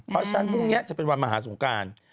เพราะฉะนั้นพรุ่งนี้จะเป็นวันมหาสงการ